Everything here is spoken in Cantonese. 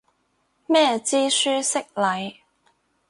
咩知書識禮